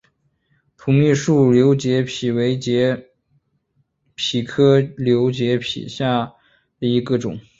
土蜜树瘤节蜱为节蜱科瘤节蜱属下的一个种。